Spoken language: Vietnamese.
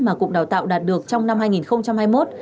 mà cục đào tạo đạt được trong năm hai nghìn hai mươi một